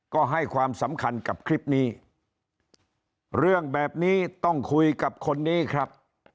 ก็ให้ความสำคัญกับคลิปนี้เรื่องแบบนี้ต้องคุยกับคนนี้ครับ